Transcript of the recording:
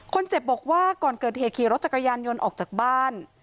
คนเจ็บบอกว่าก่อนเกิดเหตุขี่รถจักรยานยนต์ออกจากบ้าน